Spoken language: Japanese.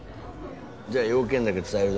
じゃあ用件だけ伝えるぞ。